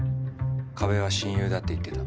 加部は親友だって言ってた